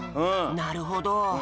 なるほど。